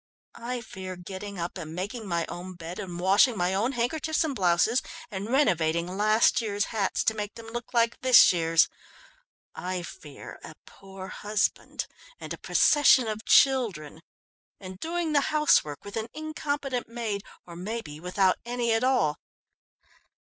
I fear getting up and making my own bed and washing my own handkerchiefs and blouses, and renovating last year's hats to make them look like this year's. I fear a poor husband and a procession of children, and doing the housework with an incompetent maid, or maybe without any at all.